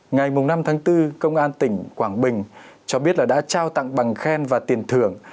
ngày năm tháng bốn công an tỉnh quảng bình cho biết là đã trao tặng bằng khen và tiền thưởng